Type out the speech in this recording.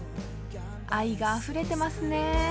愛があふれてますね！